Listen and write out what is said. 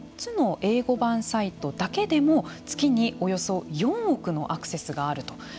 注視している４つの英語版サイトだけでも月におよそ４億のアクセスがあると。